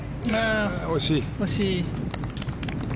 惜しい。